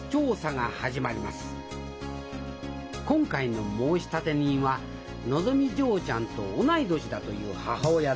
今回の申立人はのぞみ嬢ちゃんと同い年だという母親です。